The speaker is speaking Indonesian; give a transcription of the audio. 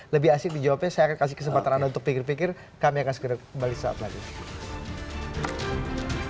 lebih asik dijawabnya saya akan kasih kesempatan anda untuk pikir pikir kami akan segera kembali saat lagi